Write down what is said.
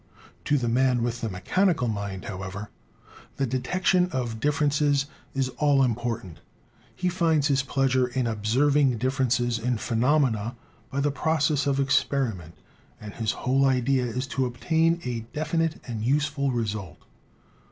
To the man with the me chanical mind, however, the detection of differences is all important. He finds his pleasure in observing differ ences in phenomena by the process of experiment, and his whole idea is to obtain a definite and useful result.